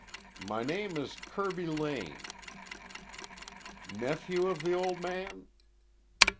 "My name is Kirby Lane." "Nephew of the old man?"